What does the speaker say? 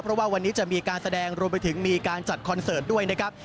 เพราะว่าวันนี้จะมีการแสดงรวมไปถึงมีการจัดคอนเสิร์ตด้วยนะครับ